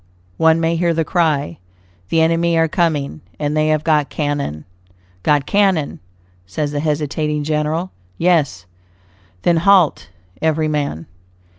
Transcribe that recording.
One may hear the cry, "the enemy are coming, and they have got cannon." "Got cannon?" says the hesitating general. "Yes." "Then halt every man."